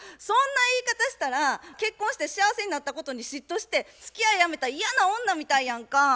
そんな言い方したら結婚して幸せになったことに嫉妬してつきあいやめた嫌な女みたいやんか。